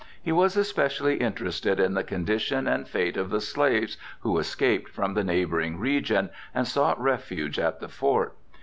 He was especially interested in the condition and fate of the slaves who escaped from the neighboring region and sought refuge at the fort.